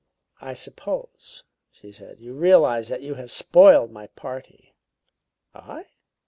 "I suppose," she said, "you realize that you have spoiled my party?" "I?"